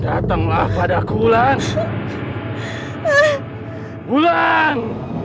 datanglah padaku wulan